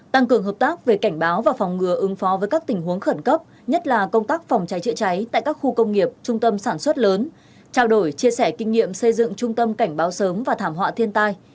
tăng cường hợp tác về cảnh báo và phòng ngừa ứng phó với các tình huống khẩn cấp nhất là công tác phòng cháy chữa cháy tại các khu công nghiệp trung tâm sản xuất lớn trao đổi chia sẻ kinh nghiệm xây dựng trung tâm cảnh báo sớm và thảm họa thiên tai